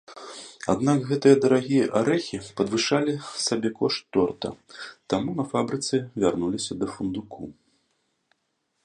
Аднак гэтыя дарагія арэхі падвышалі сабекошт торта, таму на фабрыцы вярнуліся да фундуку.